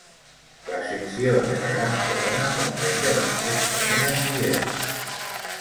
La sección de la Gran Corona comprende las tres comunas siguientes